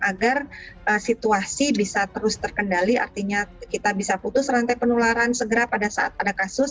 agar situasi bisa terus terkendali artinya kita bisa putus rantai penularan segera pada saat ada kasus